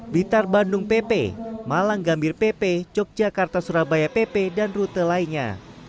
blitar bandung pp malang gambir pp yogyakarta surabaya pp dan rute lainnya